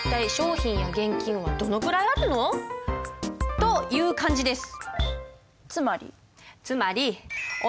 という感じです。